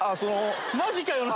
マジかよ！